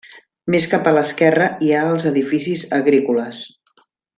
Més cap a l'esquerra hi ha els edificis agrícoles.